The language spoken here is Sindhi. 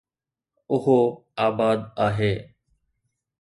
اهو آباد آهي